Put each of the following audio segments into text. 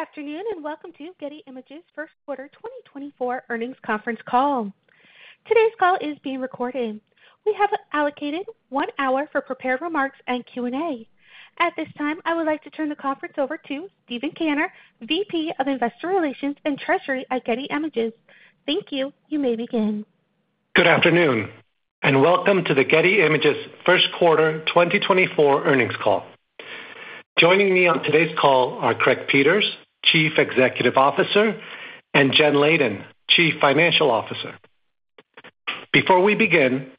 Good afternoon and welcome to Getty Images' Q1 2024 earnings conference call. Today's call is being recorded. We have allocated 1 hour for prepared remarks and Q&A. At this time, I would like to turn the conference over to Steven Kanner, VP of Investor Relations and Treasury at Getty Images. Thank you. You may begin. Good afternoon and welcome to the Getty Images' Q1 2024 earnings call. Joining me on today's call are Craig Peters, Chief Executive Officer, and Jen Leyden, Chief Financial Officer. Before we begin,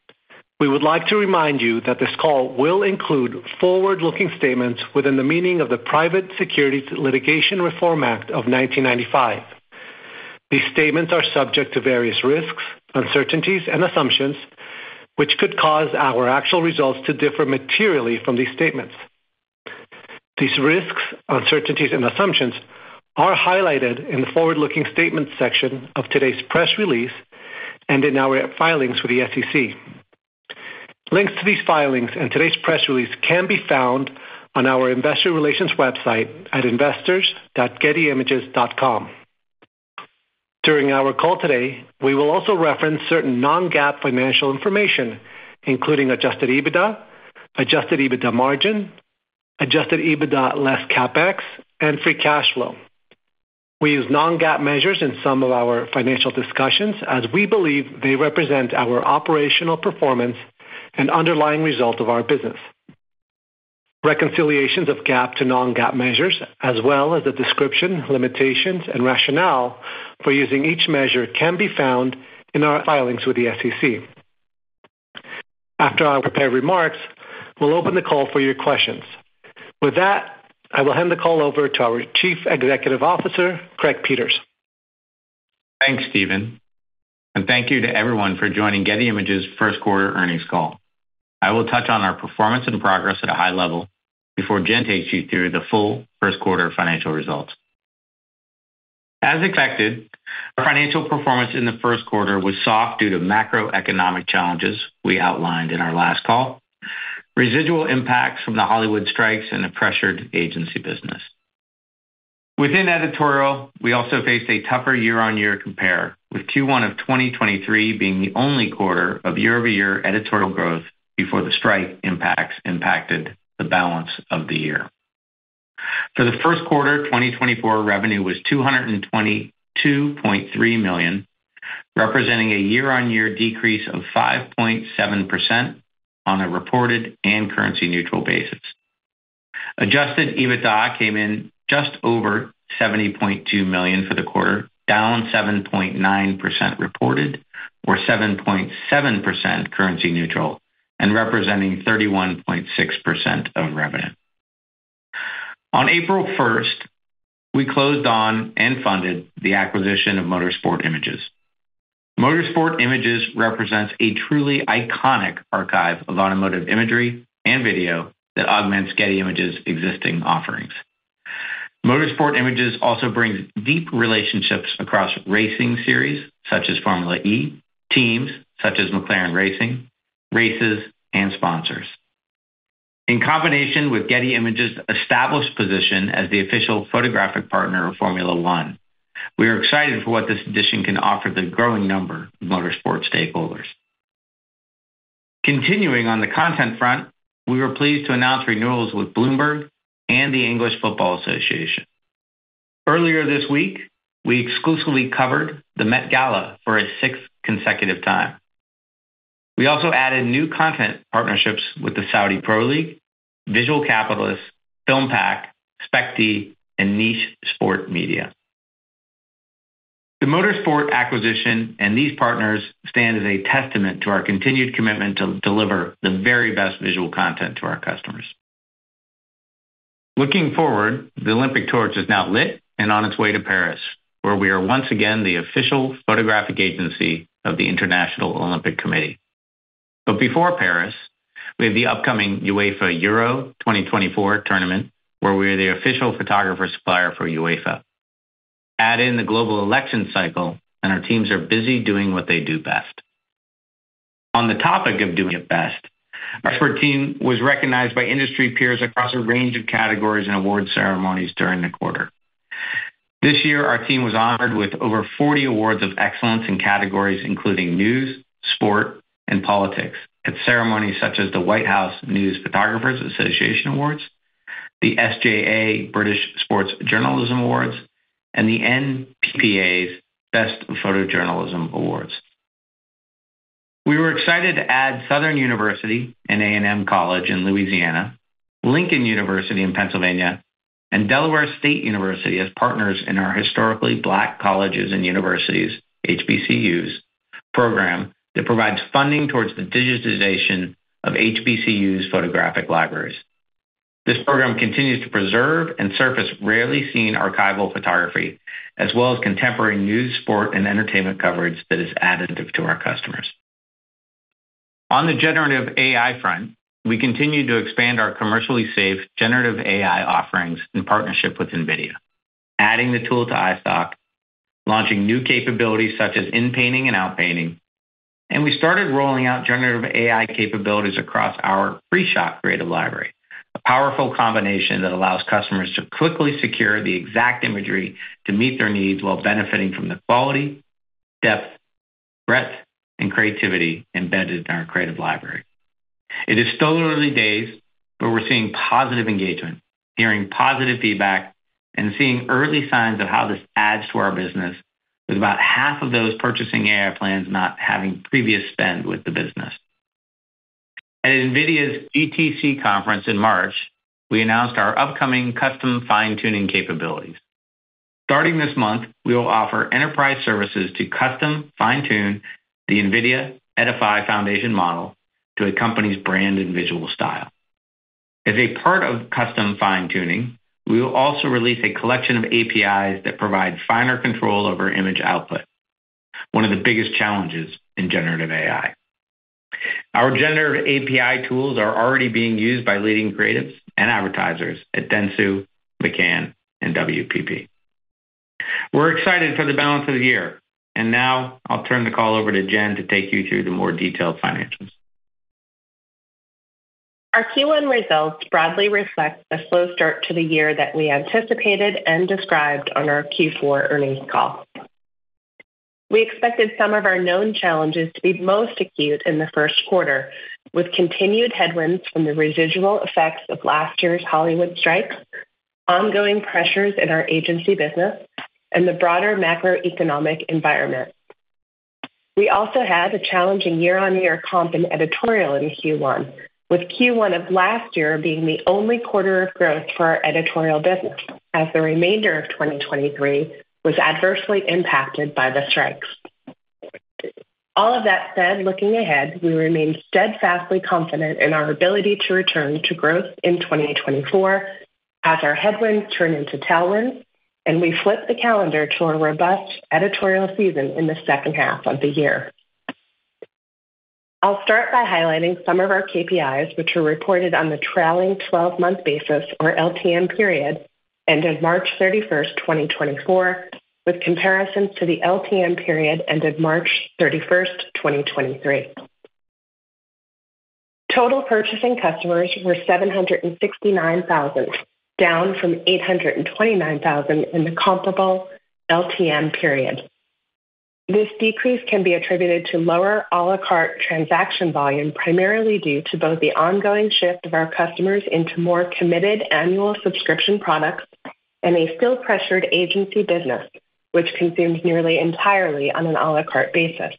we would like to remind you that this call will include forward-looking statements within the meaning of the Private Securities Litigation Reform Act of 1995. These statements are subject to various risks, uncertainties, and assumptions, which could cause our actual results to differ materially from these statements. These risks, uncertainties, and assumptions are highlighted in the forward-looking statements section of today's press release and in our filings with the SEC. Links to these filings and today's press release can be found on our investor relations website at investors.gettyimages.com. During our call today, we will also reference certain non-GAAP financial information, including Adjusted EBITDA, Adjusted EBITDA margin, Adjusted EBITDA less CapEx, and free cash flow. We use non-GAAP measures in some of our financial discussions as we believe they represent our operational performance and underlying result of our business. Reconciliations of GAAP to non-GAAP measures, as well as the description, limitations, and rationale for using each measure, can be found in our filings with the SEC. After I prepare remarks, we'll open the call for your questions. With that, I will hand the call over to our Chief Executive Officer, Craig Peters. Thanks, Steven. Thank you to everyone for joining Getty Images' Q1 earnings call. I will touch on our performance and progress at a high level before Jen takes you through the full Q1 financial results. As expected, our financial performance in the Q1 was soft due to macroeconomic challenges we outlined in our last call, residual impacts from the Hollywood strikes, and a pressured agency business. Within editorial, we also faced a tougher year-on-year compare, with Q1 of 2023 being the only quarter of year-over-year editorial growth before the strike impacts impacted the balance of the year. For the Q1 2024, revenue was $222.3 million, representing a year-on-year decrease of 5.7% on a reported and currency-neutral basis. Adjusted EBITDA came in just over $70.2 million for the quarter, down 7.9% reported, or 7.7% currency-neutral, and representing 31.6% of revenue. On April 1st, we closed on and funded the acquisition of Motorsport Images. Motorsport Images represents a truly iconic archive of automotive imagery and video that augments Getty Images' existing offerings. Motorsport Images also brings deep relationships across racing series such as Formula E, teams such as McLaren Racing, races, and sponsors. In combination with Getty Images' established position as the official photographic partner of Formula One, we are excited for what this addition can offer the growing number of motorsport stakeholders. Continuing on the content front, we were pleased to announce renewals with Bloomberg and the English Football Association. Earlier this week, we exclusively covered the Met Gala for a sixth consecutive time. We also added new content partnerships with the Saudi Pro League, Visual Capitalist, Filmpac, Spectee, and Niche Sport Media. The motorsport acquisition and these partners stand as a testament to our continued commitment to deliver the very best visual content to our customers. Looking forward, the Olympic torch is now lit and on its way to Paris, where we are once again the official photographic agency of the International Olympic Committee. But before Paris, we have the upcoming UEFA Euro 2024 tournament, where we are the official photographer supplier for UEFA. Add in the global election cycle, and our teams are busy doing what they do best. On the topic of doing it best, our sport team was recognized by industry peers across a range of categories and award ceremonies during the quarter. This year, our team was honored with over 40 awards of excellence in categories including news, sport, and politics at ceremonies such as the White House News Photographers Association Awards, the SJA British Sports Journalism Awards, and the NPPA's Best Photojournalism Awards. We were excited to add Southern University and A&M College in Louisiana, Lincoln University in Pennsylvania, and Delaware State University as partners in our Historically Black Colleges and Universities, HBCUs, program that provides funding towards the digitization of HBCUs' photographic libraries. This program continues to preserve and surface rarely seen archival photography as well as contemporary news, sport, and entertainment coverage that is additive to our customers. On the generative AI front, we continue to expand our commercially safe generative AI offerings in partnership with NVIDIA, adding the tool to iStock, launching new capabilities such as in-painting and out-painting, and we started rolling out generative AI capabilities across our Pre-shot Creative Library, a powerful combination that allows customers to quickly secure the exact imagery to meet their needs while benefiting from the quality, depth, breadth, and creativity embedded in our creative library. It is still early days, but we're seeing positive engagement, hearing positive feedback, and seeing early signs of how this adds to our business with about half of those purchasing AI plans not having previous spend with the business. At NVIDIA's GTC conference in March, we announced our upcoming custom fine-tuning capabilities. Starting this month, we will offer enterprise services to custom fine-tune the NVIDIA Edify Foundation model to accompany its brand and visual style. As a part of Custom fine-tuning, we will also release a collection of APIs that provide finer control over image output, one of the biggest challenges in generative AI. Our generative API tools are already being used by leading creatives and advertisers at Dentsu, McCann, and WPP. We're excited for the balance of the year. Now I'll turn the call over to Jen to take you through the more detailed financials. Our Q1 results broadly reflect the slow start to the year that we anticipated and described on our Q4 earnings call. We expected some of our known challenges to be most acute in the Q1, with continued headwinds from the residual effects of last year's Hollywood strikes, ongoing pressures in our agency business, and the broader macroeconomic environment. We also had a challenging year-on-year comp in editorial in Q1, with Q1 of last year being the only quarter of growth for our editorial business as the remainder of 2023 was adversely impacted by the strikes. All of that said, looking ahead, we remain steadfastly confident in our ability to return to growth in 2024 as our headwinds turn into tailwinds, and we flip the calendar to a robust editorial season in the second half of the year. I'll start by highlighting some of our KPIs, which were reported on the trailing 12-month basis, or LTM, period ended March 31st, 2024, with comparisons to the LTM period ended March 31st, 2023. Total purchasing customers were 769,000, down from 829,000 in the comparable LTM period. This decrease can be attributed to lower à la carte transaction volume, primarily due to both the ongoing shift of our customers into more committed annual subscription products and a still pressured agency business, which consumes nearly entirely on an à la carte basis.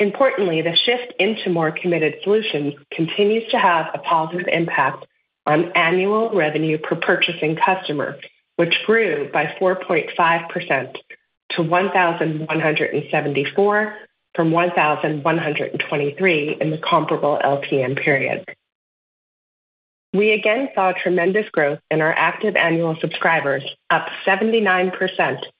Importantly, the shift into more committed solutions continues to have a positive impact on annual revenue per purchasing customer, which grew by 4.5% to 1,174 from 1,123 in the comparable LTM period. We again saw tremendous growth in our active annual subscribers, up 79%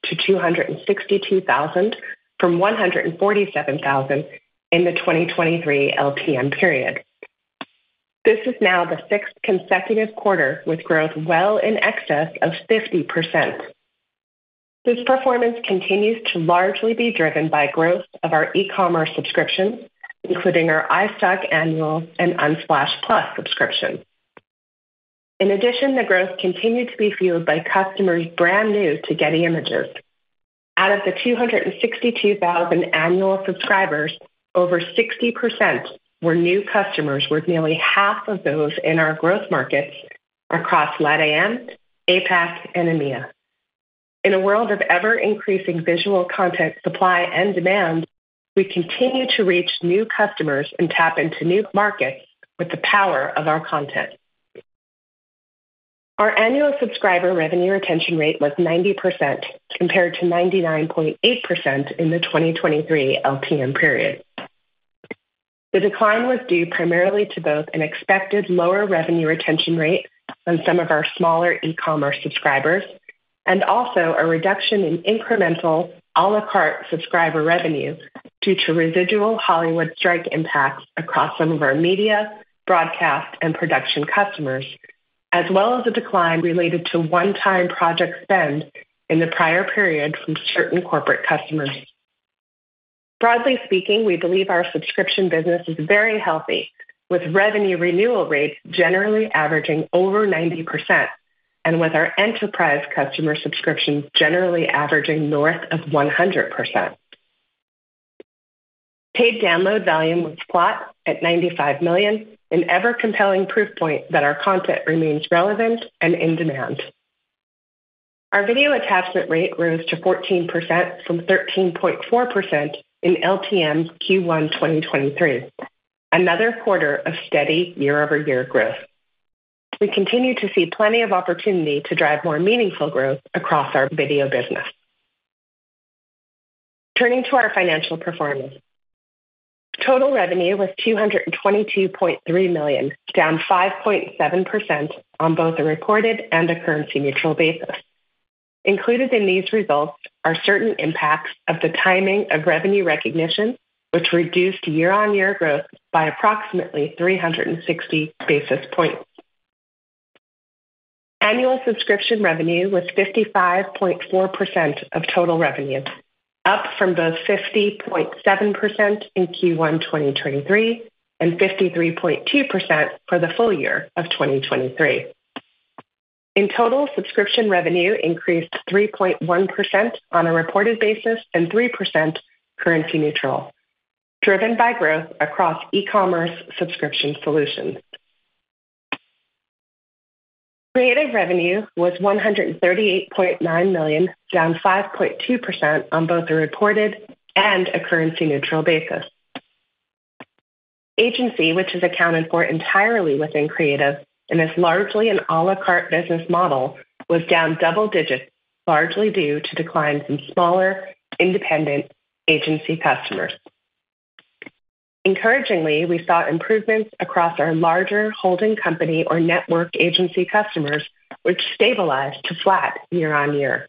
to 262,000 from 147,000 in the 2023 LTM period. This is now the sixth consecutive quarter with growth well in excess of 50%. This performance continues to largely be driven by growth of our e-commerce subscriptions, including our iStock annual and Unsplash Plus subscriptions. In addition, the growth continued to be fueled by customers brand new to Getty Images. Out of the 262,000 annual subscribers, over 60% were new customers, with nearly half of those in our growth markets across LATAM, APAC, and EMEA. In a world of ever-increasing visual content supply and demand, we continue to reach new customers and tap into new markets with the power of our content. Our annual subscriber revenue retention rate was 90% compared to 99.8% in the 2023 LTM period. The decline was due primarily to both an expected lower revenue retention rate on some of our smaller e-commerce subscribers and also a reduction in incremental à la carte subscriber revenue due to residual Hollywood strike impacts across some of our media, broadcast, and production customers, as well as a decline related to one-time project spend in the prior period from certain corporate customers. Broadly speaking, we believe our subscription business is very healthy, with revenue renewal rates generally averaging over 90% and with our enterprise customer subscriptions generally averaging north of 100%. Paid download volume was flat at 95 million, an ever-compelling proof point that our content remains relevant and in demand. Our video attachment rate rose to 14% from 13.4% in LTM Q1 2023, another quarter of steady year-over-year growth. We continue to see plenty of opportunity to drive more meaningful growth across our video business. Turning to our financial performance, total revenue was $222.3 million, down 5.7% on both a reported and a currency-neutral basis. Included in these results are certain impacts of the timing of revenue recognition, which reduced year-on-year growth by approximately 360 basis points. Annual subscription revenue was 55.4% of total revenue, up from both 50.7% in Q1 2023 and 53.2% for the full year of 2023. In total, subscription revenue increased 3.1% on a reported basis and 3% currency-neutral, driven by growth across e-commerce subscription solutions. Creative revenue was $138.9 million, down 5.2% on both a reported and a currency-neutral basis. Agency, which is accounted for entirely within Creative and is largely an à la carte business model, was down double digits, largely due to declines in smaller independent agency customers. Encouragingly, we saw improvements across our larger holding company or network agency customers, which stabilized to flat year-on-year.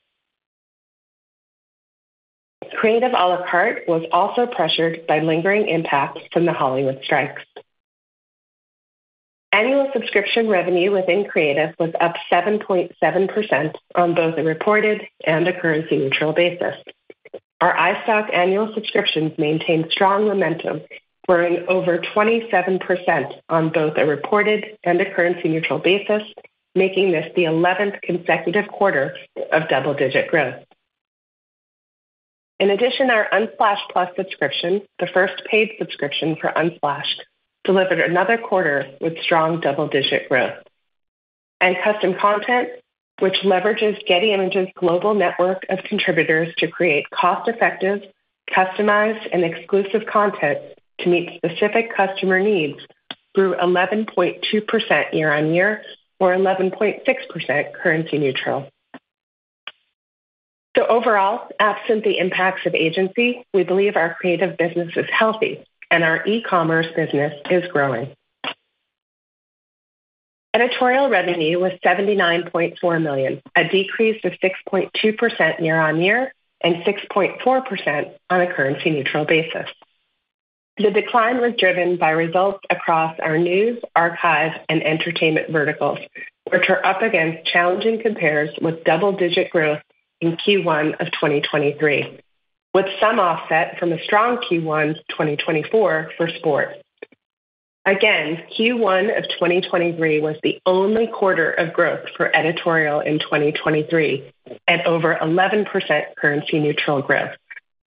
Creative à la carte was also pressured by lingering impacts from the Hollywood strikes. Annual subscription revenue within Creative was up 7.7% on both a reported and a currency-neutral basis. Our iStock annual subscriptions maintained strong momentum, growing over 27% on both a reported and a currency-neutral basis, making this the 11th consecutive quarter of double-digit growth. In addition, our Unsplash+ subscription, the first paid subscription for Unsplash, delivered another quarter with strong double-digit growth. And custom content, which leverages Getty Images' global network of contributors to create cost-effective, customized, and exclusive content to meet specific customer needs, grew 11.2% year-on-year or 11.6% currency-neutral. So overall, absent the impacts of agency, we believe our creative business is healthy and our e-commerce business is growing. Editorial revenue was $79.4 million, a decrease of 6.2% year-on-year and 6.4% on a currency-neutral basis. The decline was driven by results across our news, archive, and entertainment verticals, which are up against challenging comps with double-digit growth in Q1 of 2023, with some offset from a strong Q1 2024 for sports. Again, Q1 of 2023 was the only quarter of growth for editorial in 2023 at over 11% currency-neutral growth,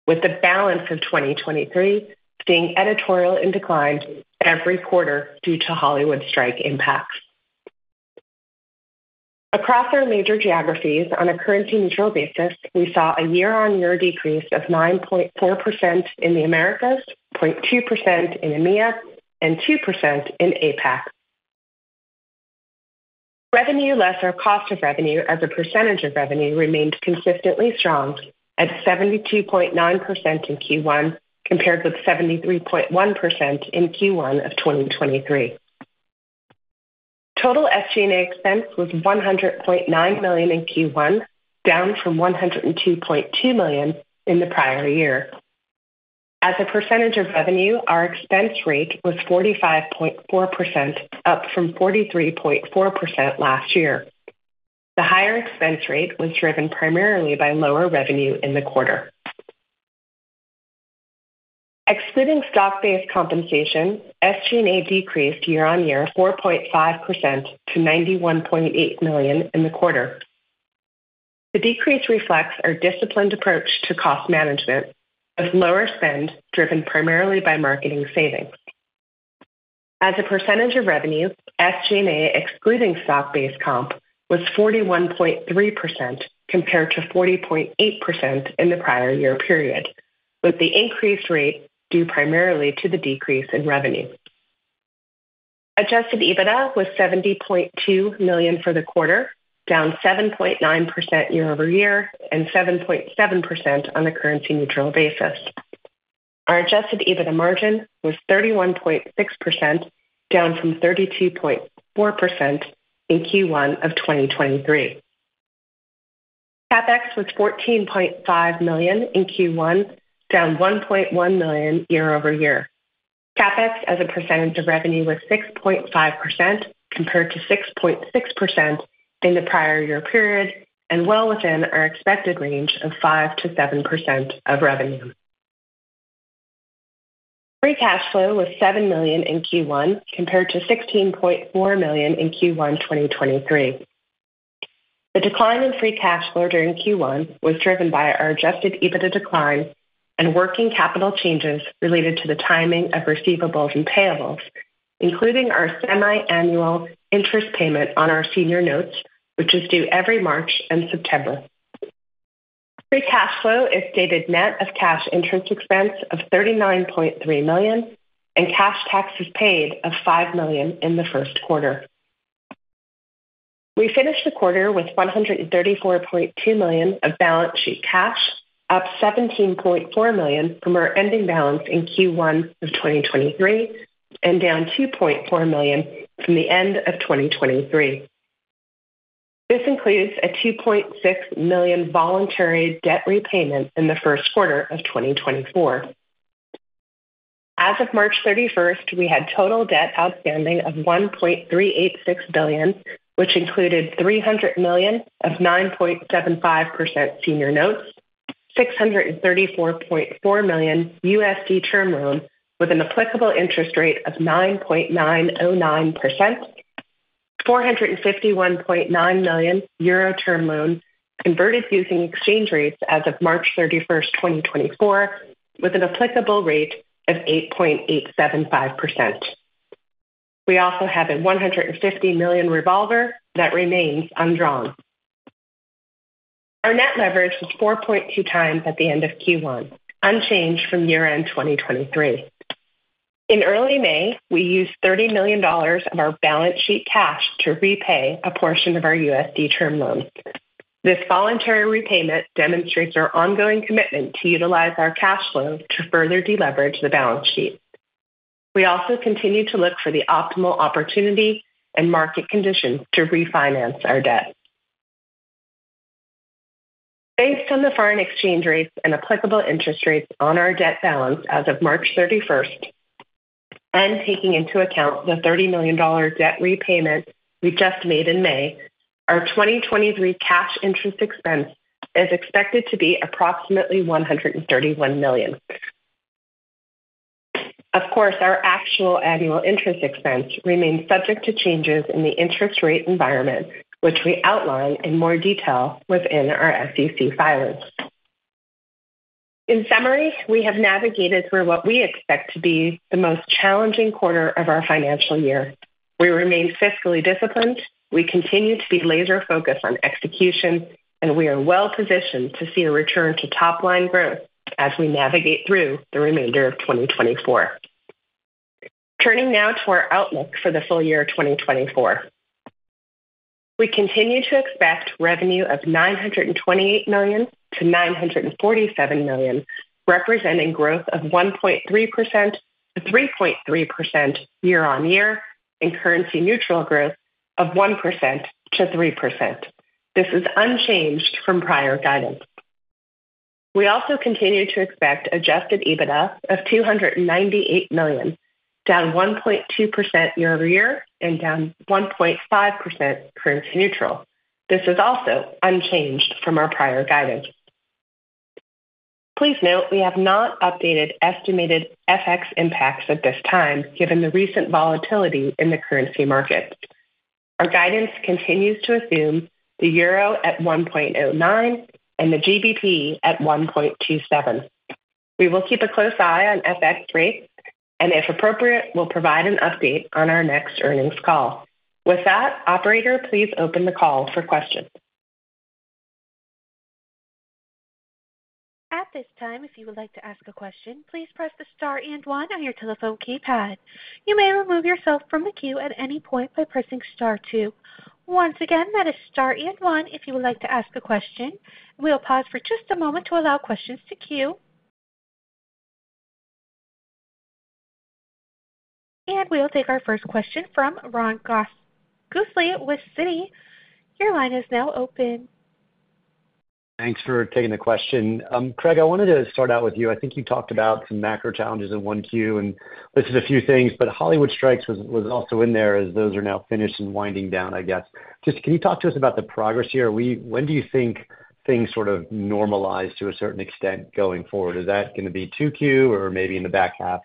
with the balance of 2023 seeing editorial in decline every quarter due to Hollywood strike impacts. Across our major geographies on a currency-neutral basis, we saw a year-on-year decrease of 9.4% in The Americas, 0.2% in EMEA, and 2% in APAC. Revenue less cost of revenue as a percentage of revenue remained consistently strong at 72.9% in Q1 compared with 73.1% in Q1 of 2023. Total SG&A expense was $100.9 million in Q1, down from $102.2 million in the prior year. As a percentage of revenue, our expense rate was 45.4%, up from 43.4% last year. The higher expense rate was driven primarily by lower revenue in the quarter. Excluding stock-based compensation, SG&A decreased year-on-year 4.5% to $91.8 million in the quarter. The decrease reflects our disciplined approach to cost management of lower spend driven primarily by marketing savings. As a percentage of revenue, SG&A excluding stock-based comp was 41.3% compared to 40.8% in the prior year period, with the increased rate due primarily to the decrease in revenue. Adjusted EBITDA was $70.2 million for the quarter, down 7.9% year-over-year and 7.7% on a currency-neutral basis. Our adjusted EBITDA margin was 31.6%, down from 32.4% in Q1 of 2023. CapEx was $14.5 million in Q1, down $1.1 million year-over-year. CapEx as a percentage of revenue was 6.5% compared to 6.6% in the prior year period and well within our expected range of 5%-7% of revenue. Free cash flow was $7 million in Q1 compared to $16.4 million in Q1 2023. The decline in free cash flow during Q1 was driven by our adjusted EBITDA decline and working capital changes related to the timing of receivables and payables, including our semi-annual interest payment on our senior notes, which is due every March and September. Free cash flow is stated net of cash interest expense of $39.3 million and cash taxes paid of $5 million in the Q1. We finished the quarter with $134.2 million of balance sheet cash, up $17.4 million from our ending balance in Q1 of 2023 and down $2.4 million from the end of 2023. This includes a $2.6 million voluntary debt repayment in the Q1 of 2024. As of March 31st, we had total debt outstanding of $1.386 billion, which included $300 million of 9.75% senior notes, $634.4 million USD term loan with an applicable interest rate of 9.909%, 451.9 million euro term loan converted using exchange rates as of March 31st, 2024, with an applicable rate of 8.875%. We also have a $150 million revolver that remains undrawn. Our net leverage was 4.2x at the end of Q1, unchanged from year-end 2023. In early May, we used $30 million of our balance sheet cash to repay a portion of our USD term loans. This voluntary repayment demonstrates our ongoing commitment to utilize our cash flow to further deleverage the balance sheet. We also continue to look for the optimal opportunity and market conditions to refinance our debt. Based on the foreign exchange rates and applicable interest rates on our debt balance as of March 31st, and taking into account the $30 million debt repayment we just made in May, our 2023 cash interest expense is expected to be approximately $131 million. Of course, our actual annual interest expense remains subject to changes in the interest rate environment, which we outline in more detail within our SEC filings. In summary, we have navigated through what we expect to be the most challenging quarter of our financial year. We remain fiscally disciplined. We continue to be laser-focused on execution, and we are well positioned to see a return to top-line growth as we navigate through the remainder of 2024. Turning now to our outlook for the full year 2024, we continue to expect revenue of $928 million-$947 million, representing growth of 1.3%-3.3% year-over-year and currency-neutral growth of 1%-3%. This is unchanged from prior guidance. We also continue to expect Adjusted EBITDA of $298 million, down 1.2% year-over-year and down 1.5% currency-neutral. This is also unchanged from our prior guidance. Please note, we have not updated estimated FX impacts at this time, given the recent volatility in the currency markets. Our guidance continues to assume the euro at 1.09 and the GBP at 1.27. We will keep a close eye on FX rates, and if appropriate, we'll provide an update on our next earnings call. With that, operator, please open the call for questions. At this time, if you would like to ask a question, please press the star and one on your telephone keypad. You may remove yourself from the queue at any point by pressing star two. Once again, that is star and one if you would like to ask a question. We'll pause for just a moment to allow questions to queue. And we'll take our first question from Ron Josey with Citi. Your line is now open. Thanks for taking the question. Craig, I wanted to start out with you. I think you talked about some macro challenges in Q1 and listed a few things, but Hollywood strikes was also in there as those are now finished and winding down, I guess. Just can you talk to us about the progress here? When do you think things sort of normalize to a certain extent going forward? Is that going to be Q2 or maybe in the back half?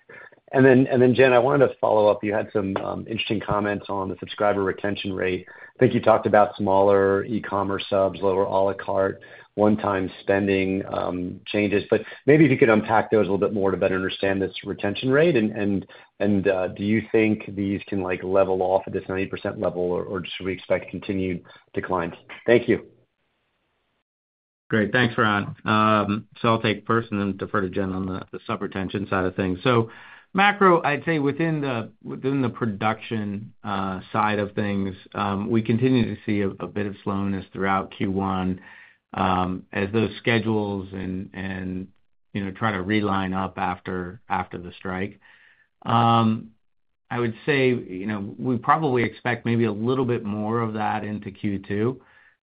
And then, Jen, I wanted to follow up. You had some interesting comments on the subscriber retention rate. I think you talked about smaller e-commerce subs, lower à la carte, one-time spending changes. But maybe if you could unpack those a little bit more to better understand this retention rate. Do you think these can level off at this 90% level, or should we expect continued declines? Thank you. Great. Thanks, Ron. So I'll take first and then defer to Jen on the sub-retention side of things. So macro, I'd say within the production side of things, we continue to see a bit of slowness throughout Q1 as those schedules try to realign up after the strike. I would say we probably expect maybe a little bit more of that into Q2,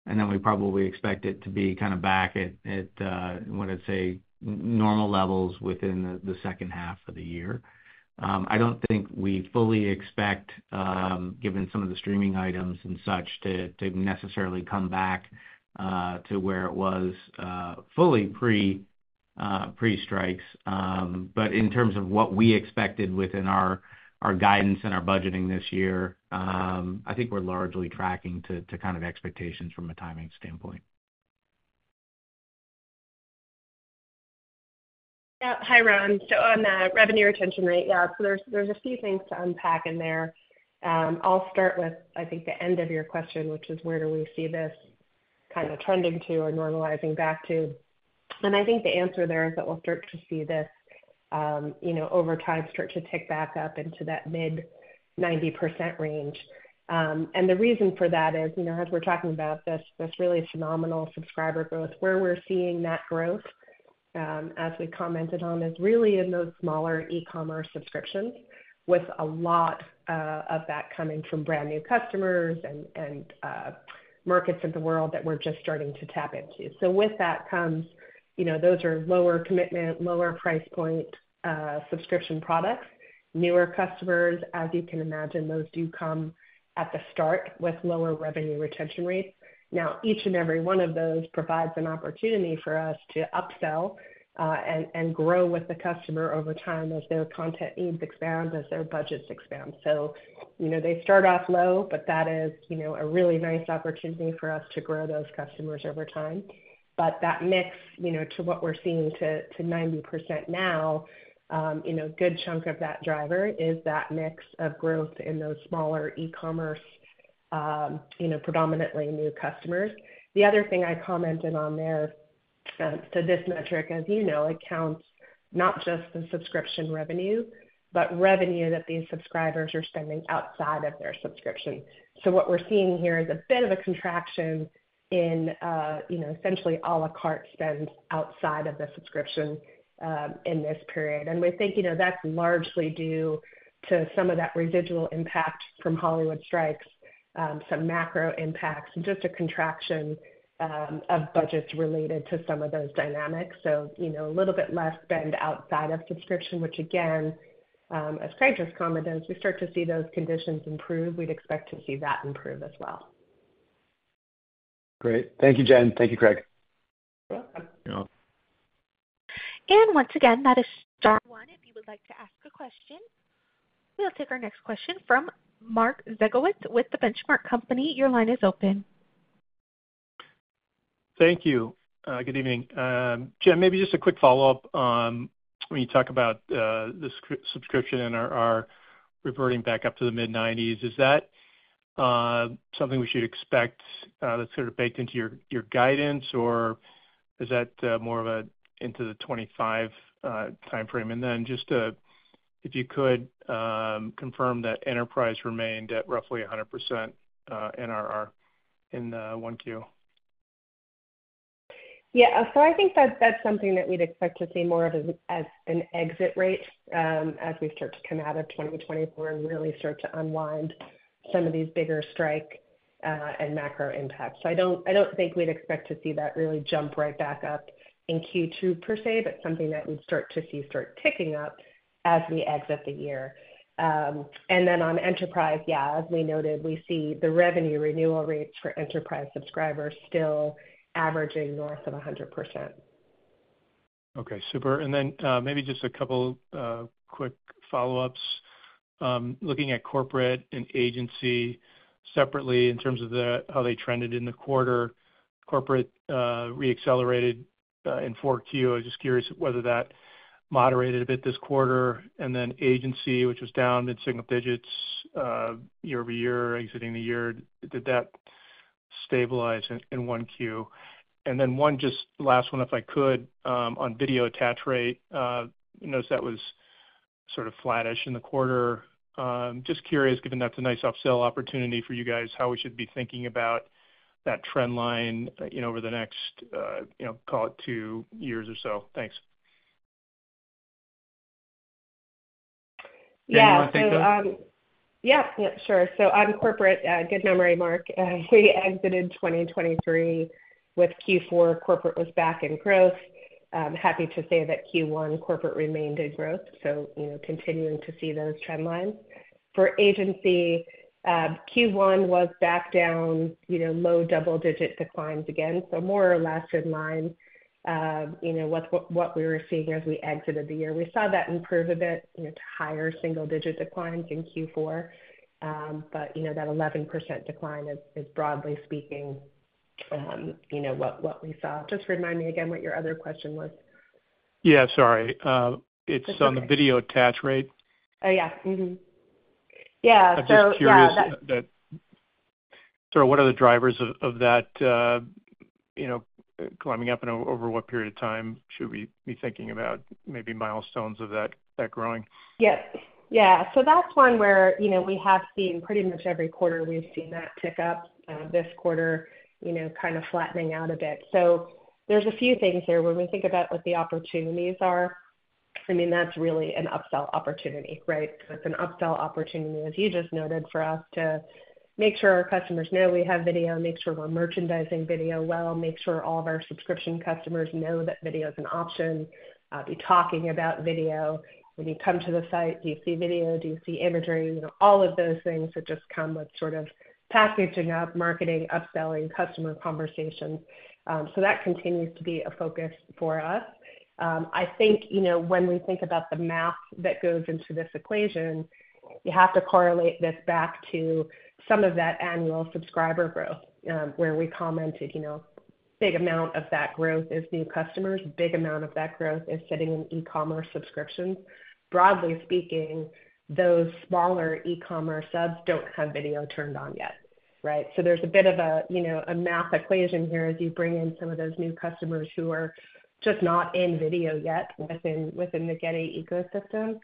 and then we probably expect it to be kind of back at, what I'd say, normal levels within the second half of the year. I don't think we fully expect, given some of the streaming items and such, to necessarily come back to where it was fully pre-strikes. But in terms of what we expected within our guidance and our budgeting this year, I think we're largely tracking to kind of expectations from a timing standpoint. Yeah. Hi, Ron. So on the revenue retention rate, yeah, so there's a few things to unpack in there. I'll start with, I think, the end of your question, which is where do we see this kind of trending to or normalizing back to? And I think the answer there is that we'll start to see this over time start to tick back up into that mid-90% range. And the reason for that is, as we're talking about this really phenomenal subscriber growth, where we're seeing that growth, as we commented on, is really in those smaller e-commerce subscriptions, with a lot of that coming from brand new customers and markets in the world that we're just starting to tap into. So with that comes, those are lower commitment, lower price point subscription products, newer customers. As you can imagine, those do come at the start with lower revenue retention rates. Now, each and every one of those provides an opportunity for us to upsell and grow with the customer over time as their content needs expand, as their budgets expand. So they start off low, but that is a really nice opportunity for us to grow those customers over time. But that mix, to what we're seeing to 90% now, a good chunk of that driver is that mix of growth in those smaller e-commerce, predominantly new customers. The other thing I commented on there, so this metric, as you know, accounts not just the subscription revenue, but revenue that these subscribers are spending outside of their subscription. So what we're seeing here is a bit of a contraction in essentially à la carte spend outside of the subscription in this period. We think that's largely due to some of that residual impact from Hollywood strikes, some macro impacts, and just a contraction of budgets related to some of those dynamics. So a little bit less spend outside of subscription, which, again, as Craig just commented, as we start to see those conditions improve, we'd expect to see that improve as well. Great. Thank you, Jen. Thank you, Craig. You're welcome. You're welcome. Once again, that is star one if you would like to ask a question. We'll take our next question from Mark Zgutowicz with The Benchmark Company. Your line is open. Thank you. Good evening. Jen, maybe just a quick follow-up. When you talk about the subscription and our reverting back up to the mid-90s%, is that something we should expect that's sort of baked into your guidance, or is that more of an into the 2025 timeframe? And then just if you could confirm that enterprise remained at roughly 100% in the Q1. Yeah. So I think that that's something that we'd expect to see more of as an exit rate as we start to come out of 2024 and really start to unwind some of these bigger strike and macro impacts. So I don't think we'd expect to see that really jump right back up in Q2, per se, but something that we'd start to see start ticking up as we exit the year. And then on enterprise, yeah, as we noted, we see the revenue renewal rates for enterprise subscribers still averaging north of 100%. Okay. Super. And then maybe just a couple quick follow-ups. Looking at corporate and agency separately in terms of how they trended in the quarter, corporate reaccelerated in Q4. I was just curious whether that moderated a bit this quarter. And then agency, which was down mid-single digits year-over-year, exiting the year, did that stabilize in Q1? And then just last one, if I could, on video attachment rate, noticed that was sort of flat-ish in the quarter. Just curious, given that's a nice upsell opportunity for you guys, how we should be thinking about that trend line over the next, call it, two years or so. Thanks. Yeah. Anyone want to take those? Yeah. Yeah. Sure. So on corporate, good memory, Mark. We exited 2023 with Q4. Corporate was back in growth. Happy to say that Q1, corporate remained in growth, so continuing to see those trend lines. For agency, Q1 was back down, low double-digit declines again. So more or less in line with what we were seeing as we exited the year. We saw that improve a bit to higher single-digit declines in Q4. But that 11% decline, broadly speaking, what we saw. Just remind me again what your other question was. Yeah. Sorry. It's on the video attachment rate. Oh, yeah. Yeah. I'm just curious. I just thought, what are the drivers of that climbing up, and over what period of time should we be thinking about maybe milestones of that growing? Yep. Yeah. So that's one where we have seen pretty much every quarter, we've seen that tick up. This quarter, kind of flattening out a bit. So there's a few things here. When we think about what the opportunities are, I mean, that's really an upsell opportunity, right? So it's an upsell opportunity, as you just noted, for us to make sure our customers know we have video, make sure we're merchandising video well, make sure all of our subscription customers know that video is an option, be talking about video. When you come to the site, do you see video? Do you see imagery? All of those things that just come with sort of packaging up, marketing, upselling, customer conversations. So that continues to be a focus for us. I think when we think about the math that goes into this equation, you have to correlate this back to some of that annual subscriber growth where we commented big amount of that growth is new customers, big amount of that growth is sitting in e-commerce subscriptions. Broadly speaking, those smaller e-commerce subs don't have video turned on yet, right? So there's a bit of a math equation here as you bring in some of those new customers who are just not in video yet within the Getty ecosystem.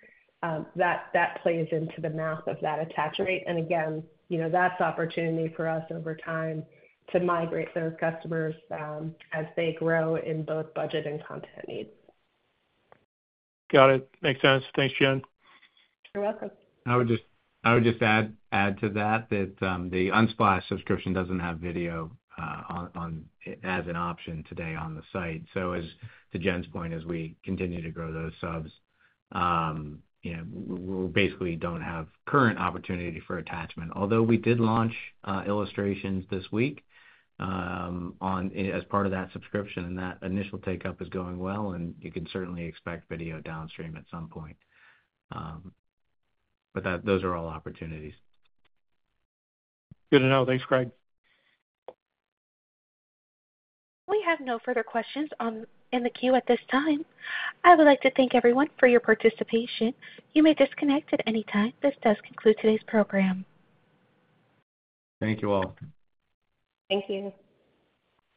That plays into the math of that attach rate. And again, that's opportunity for us over time to migrate those customers as they grow in both budget and content needs. Got it. Makes sense. Thanks, Jen. You're welcome. I would just add to that that the Unsplash subscription doesn't have video as an option today on the site. So to Jen's point, as we continue to grow those subs, we basically don't have current opportunity for attachment. Although we did launch illustrations this week as part of that subscription, and that initial uptake is going well, and you can certainly expect video downstream at some point. But those are all opportunities. Good to know. Thanks, Craig. We have no further questions in the queue at this time. I would like to thank everyone for your participation. You may disconnect at any time. This does conclude today's program. Thank you all. Thank you.